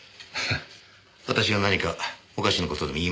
私が何かおかしな事でも言いましたかな？